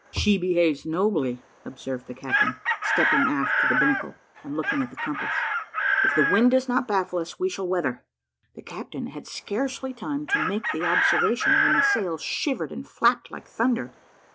"She behaves nobly," observed the captain, stepping aft to the binnacle, and looking at the compass; "if the wind does not baffle us, we shall weather." The captain had scarcely time to make the observation, when the sails shivered and flapped like thunder.